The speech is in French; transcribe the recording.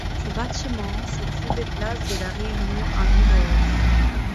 Ce bâtiment se trouvait place de la Réunion à Mulhouse.